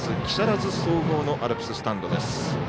木更津総合のアルプススタンド。